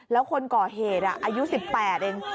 แล้วคนก่อเหตุอายุ๑๘เอง